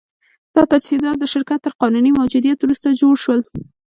دا تجهیزات د شرکت تر قانوني موجودیت وروسته جوړ شول